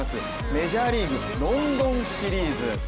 メジャーリーグ、ロンドンシリーズ。